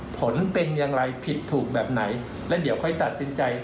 ผลเป็นอย่างไรผิดถูกแบบไหนและเดี๋ยวค่อยตัดสินใจ